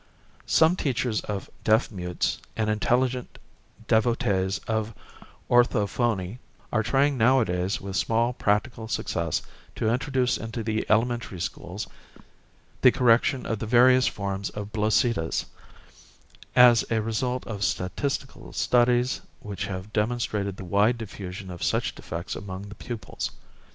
Some teachers of deaf mutes and intelligent devotees of orthophony are trying nowadays with small practical success to introduce into the elementary schools the correction of the various forms of bloesitas, as a result of statistical studies which have demonstrated the wide diffusion of such defects among the pupils.